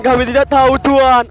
kami tidak tahu tuhan